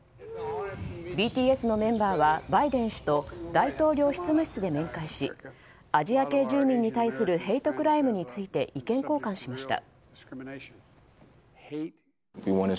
ＢＴＳのメンバーはバイデン氏と大統領執務室で面会しアジア系住民に対するヘイトクライムについて意見交換しました。